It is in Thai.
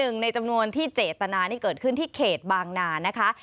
หนึ่งในจำนวนที่เจตนานี่เกิดขึ้นที่เขตบางนานะคะ